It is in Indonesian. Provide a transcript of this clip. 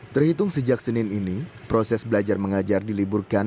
terhitung sejak senin ini proses belajar mengajar diliburkan